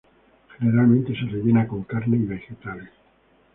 Generalmente se rellena con carne y vegetales.